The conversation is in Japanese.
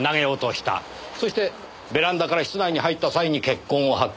そしてベランダから室内に入った際に血痕を発見。